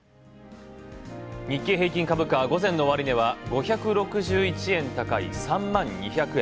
日経平均株価は午前の終値は、５６１円高い３万２００円。